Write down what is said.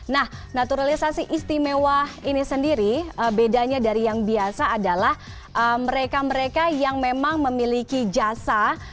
nah naturalisasi istimewa ini sendiri bedanya dari yang biasa adalah mereka mereka yang memang memiliki jasa